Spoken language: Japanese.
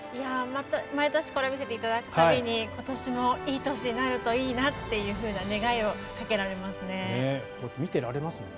毎年これを見せていただく度に今年もいい年になるといいなって願いをかけられますね。